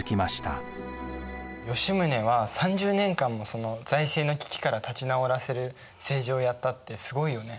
吉宗は３０年間も財政の危機から立ち直らせる政治をやったってすごいよね。